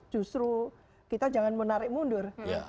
justru kita jangan menarik mundur